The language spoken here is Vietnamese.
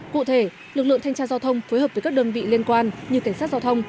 cụ thể lực lượng thanh tra giao thông phối hợp với các đơn vị liên quan như cảnh sát giao thông